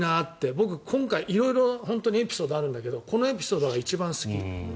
僕、今回色々エピソードがあるんだけどこのエピソードが一番好き。